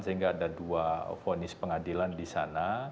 sehingga ada dua vonis pengadilan di sana